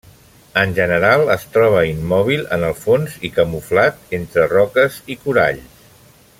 En general, es troba immòbil en el fons i camuflat entre roques i coralls.